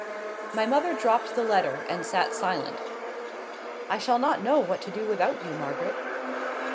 My mother dropped the letter, and sat silent. "I shall not know what to do without you, Margaret."